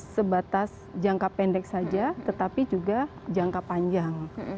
sebatas jangka pendek saja tetapi juga jangka panjang